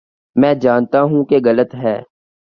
میں جانتا ہوں کہ غلط ہے۔